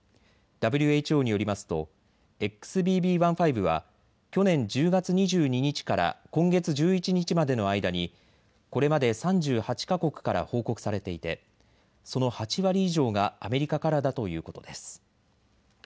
ＷＨＯによりますとＸＢＢ．１．５は去年１０月２２日から今月１１日までの間にこれまで３８か国から報告されていてその８割以上がアメリカからだということです。